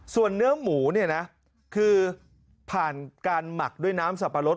ส่วนเนื้อหมูเนี่ยนะคือผ่านการหมักด้วยน้ำสับปะรด